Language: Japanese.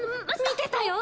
見てたよ。